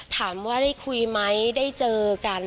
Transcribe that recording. ถามว่าได้คุยไหมได้เจอกัน